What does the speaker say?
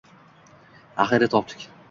Axiyri, topdik.